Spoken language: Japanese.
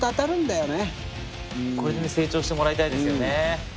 これで成長してもらいたいですよね。